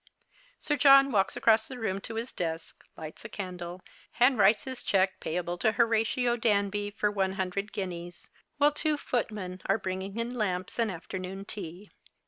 Sir John walks across the r(^om to his desk, lights a candle, and writes his cheque, payable to Horatio Danby, for (me hundred guineas, while two footmen are Ijringing in lamps and afternoon tea.